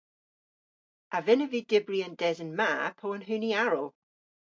A vynnav vy dybri an desen ma po an huni aral?